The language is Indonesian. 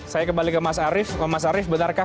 saya kembali ke mas arief ke mas arief benarkah